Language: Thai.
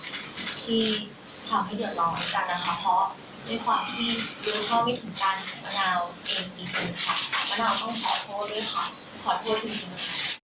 ต่อไปก็ต้องขอโทษด้วยขอโทษถึงทีนึง